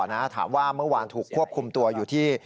ถามว่าเมื่อวานถูกควบคุมตัวอยู่ที่